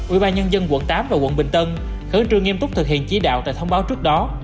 ubnd quận tám và quận bình tân khởi trường nghiêm túc thực hiện chỉ đạo tại thông báo trước đó